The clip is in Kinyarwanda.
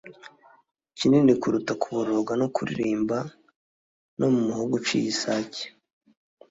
kinini kuruta kuboroga no kuririmba no mu muhogo uciye isake